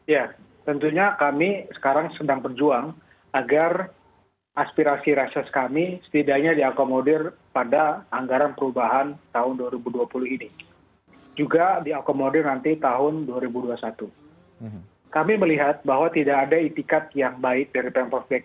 ya tentunya kami sekarang sedang berjuang agar aspirasi rases kami setidaknya diakomodir pada anggaran perubahan tahun dua ribu dua puluh ini